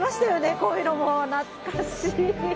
こういうのも懐かしい。